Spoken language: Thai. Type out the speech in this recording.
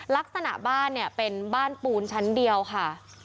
ลักษณะบ้านเนี่ยเป็นบ้านปูนชั้นเดียวค่ะ